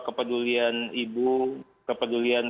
kepedulian ibu kepedulian